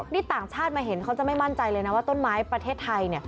นี่ต่างชาติมาเห็นเขาจะไม่มั่นใจเลยนะว่าต้นไม้ประเทศไทย